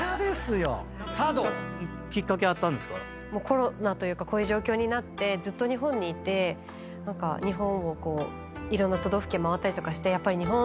コロナというかこういう状況になってずっと日本にいて日本をこういろんな都道府県回ったりとかしてやっぱり。